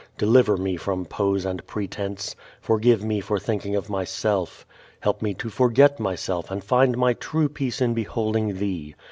Deliver me from pose and pretense. Forgive me for thinking of myself. Help me to forget myself and find my true peace in beholding Thee.